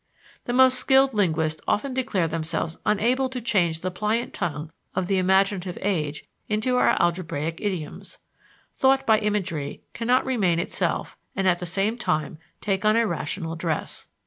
The most skilled linguists often declare themselves unable to change the pliant tongue of the imaginative age into our algebraic idioms. Thought by imagery cannot remain itself and at the same time take on a rational dress.